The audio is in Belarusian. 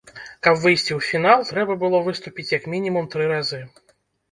Каб выйсці ў фінал, трэба было выступіць як мінімум тры разы.